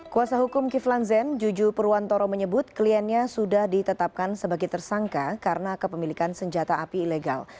kuasa hukum kiflan zen juju purwantoro menyebut kliennya sudah ditetapkan sebagai tersangka karena kepemilikan senjata api ilegal